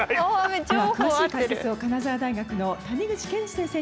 では詳しい解説を金沢大学の谷口健司先生にお願いいたします。